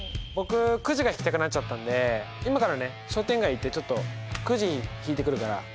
僕くじが引きたくなっちゃったんで今からね商店街行ってちょっとくじ引いてくるから。